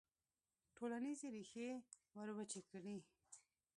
ټولنیزې ریښې وروچې کړي.